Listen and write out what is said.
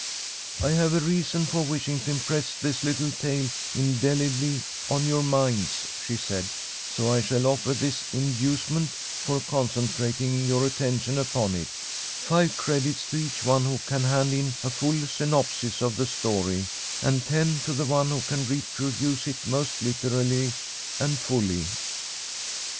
"I have a reason for wishing to impress this little tale indelibly on your minds," she said, "so I shall offer this inducement for concentrating your attention upon it: five credits to each one who can hand in a full synopsis of the story, and ten to the one who can reproduce it most literally and fully."